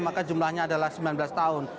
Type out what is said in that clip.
maka jumlahnya adalah sembilan belas tahun